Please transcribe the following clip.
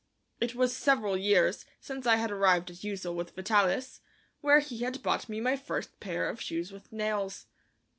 It was several years since I had arrived at Ussel with Vitalis, where he had bought me my first pair of shoes with nails.